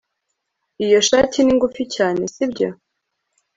iyo shati ni ngufi cyane, sibyo